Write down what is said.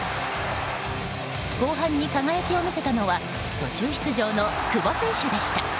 後半に輝きを見せたのは途中出場の久保選手でした。